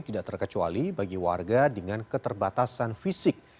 tidak terkecuali bagi warga dengan keterbatasan fisik